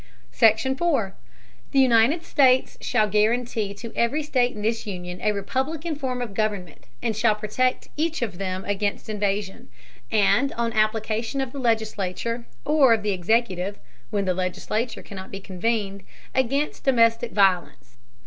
SECTION. 4. The United States shall guarantee to every State in this Union a Republican Form of Government, and shall protect each of them against Invasion; and on Application of the Legislature, or of the Executive (when the Legislature cannot be convened) against domestic Violence.